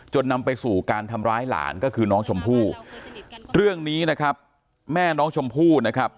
นำไปสู่การทำร้ายหลานก็คือน้องชมพู่เรื่องนี้นะครับแม่น้องชมพู่นะครับ